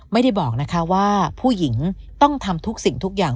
ไม่ได้บอกนะคะว่าผู้หญิงต้องทำทุกสิ่งทุกอย่าง